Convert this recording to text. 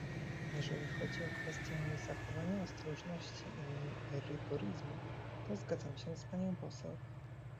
Jeżeli chodzi o kwestię zachowania ostrożności i rygoryzmu, to zgadzam się z panią poseł